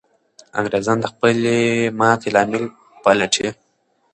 انګریزان د خپلې ماتې لامل پلټي.